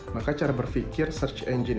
maka cara berpikir search engine